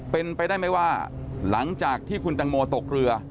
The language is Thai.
เป็นไปได้ไหมว่าหลังจากที่คุณตังโมตกเรือ